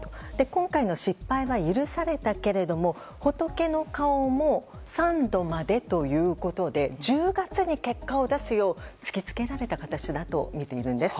今回の失敗は許されたけども仏の顔も３度までということで１０月に結果を出すよう突き付けられた形だとみているんです。